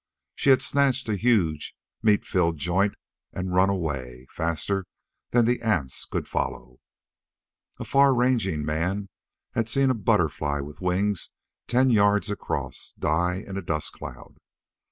She had snatched a huge, meat filled joint and run away, faster than the ants could follow. A far ranging man had seen a butterfly, with wings ten yards across, die in a dust cloud.